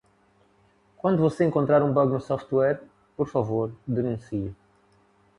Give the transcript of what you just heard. Quando você encontrar um bug no software?, por favor denuncie.